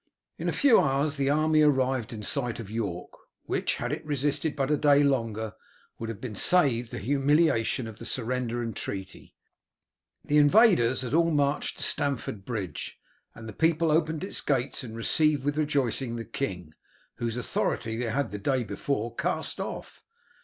In a few hours the army arrived in sight of York, which, had it resisted but a day longer, would have been saved the humiliation of the surrender and treaty. The invaders had all marched to Stamford Bridge, and the people opened its gates and received with rejoicing the king, whose authority they had the day before cast off.